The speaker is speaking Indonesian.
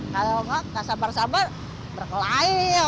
kalau nggak kasabar sabar berkelahir